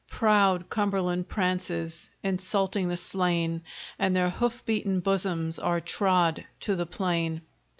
Proud Cumberland prances, insulting the slain, And their hoof beaten bosoms are trod to the plain.